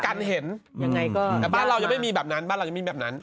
กันเห็นยังไงก็แต่บ้านเรายังไม่มีแบบนั้นบ้านเรายังไม่แบบนั้น